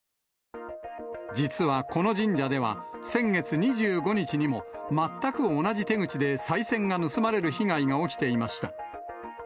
実はこの神社では、先月２５日にも、全く同じ手口でさい銭が盗まれる被害が起きていました。